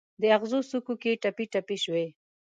د اغزو څوکو کې ټپي، ټپي شوي